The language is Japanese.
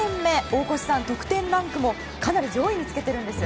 大越さん、得点ランクもかなり上位につけているんです。